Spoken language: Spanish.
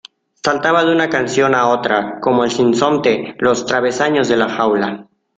saltaba de una canción a otra, como el sinsonte los travesaños de la jaula